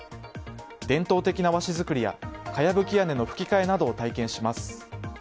伝統的な和紙作りやかやぶき屋根の葺き替えなどを体験します。